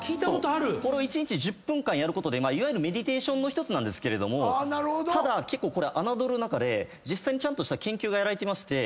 これを一日１０分間やることでいわゆるメディテーションの１つなんですけれどもただ結構これ侮るなかれ実際にちゃんとした研究がやられてまして。